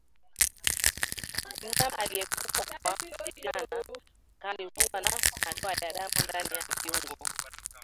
Mnyama aliyekufa kwa ndigana kali huwa na madoa ya damu ndani ya viungo